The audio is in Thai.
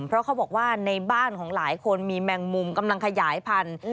เพราะเขาบอกว่าในบ้านของหลายคนมีแมงมุมกำลังขยายพันธุ์